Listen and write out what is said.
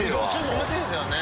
気持ちいいですよね。